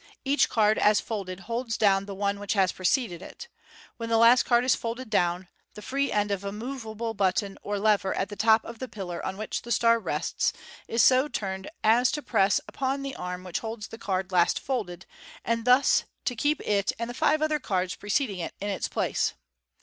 Each card, as folded, holds down the one which has preceded it. When the last card is folded down, the free end of a moveable button or lever at the top of the pillar on which the star rests is so turned as to Fig. 283. Fig. 284. press upon the arm which holds the card last folded, and thus to keep it and the five other cards preceding it in place.